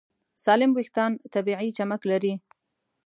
سالم وېښتيان طبیعي چمک لري.